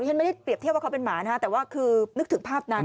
ฉันไม่ได้เปรียบเทียบว่าเขาเป็นหมานะฮะแต่ว่าคือนึกถึงภาพนั้น